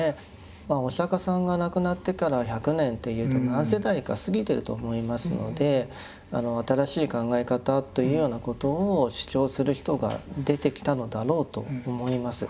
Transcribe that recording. まあお釈迦さんが亡くなってから１００年といえど何世代か過ぎていると思いますので新しい考え方というようなことを主張する人が出てきたのだろうと思います。